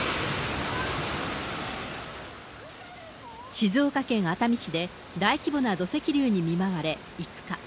静岡県熱海市で大規模な土石流に見舞われ、５日。